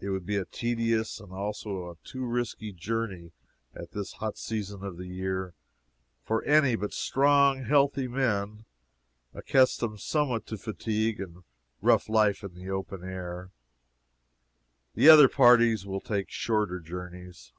It would be a tedious, and also a too risky journey, at this hot season of the year, for any but strong, healthy men, accustomed somewhat to fatigue and rough life in the open air. The other parties will take shorter journeys.